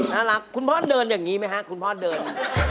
น่ารักคุณพ่อเดินอย่างนี้ไหมฮะคุณพ่อเดิน